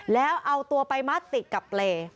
แล้วเอาตัวไปมัดติดกับเปรย์